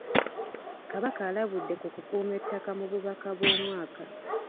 Kabaka alabudde ku kukuuma ettaka mu bubaka bw'omwaka.